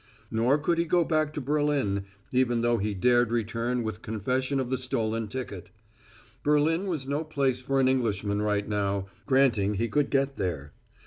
Nor could he go back to Berlin, even though he dared return with confession of the stolen ticket; Berlin was no place for an Englishman right now, granting he could get there.